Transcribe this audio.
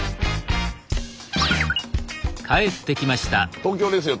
東京ですよ